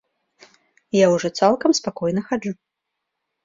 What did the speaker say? Я ўжо цалкам спакойна хаджу.